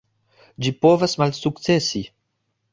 Ĝi povas malsukcesi.